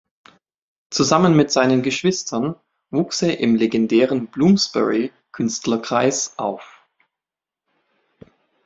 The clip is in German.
Zusammen mit seinen Geschwistern wuchs er im legendären Bloomsbury-Künstlerkreis auf.